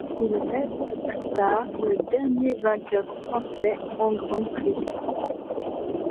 Il reste, plus tard, le dernier vainqueur français en Grand Prix.